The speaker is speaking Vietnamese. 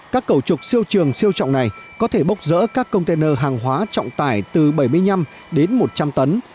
các cầu trục siêu trường siêu trọng này có thể bốc rỡ các container hàng hóa trọng tải từ bảy mươi năm đến một trăm linh tấn